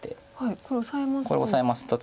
これオサえますと。